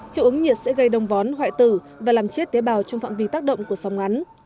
hiệu ứng nhiệt sẽ gây đông vón hoại tử và làm chết tế bào trong phạm vi tác động của sóng ngắn